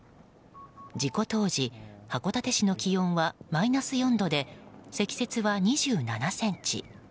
事故当時函館市の気温はマイナス４度で積雪は２７ｃｍ。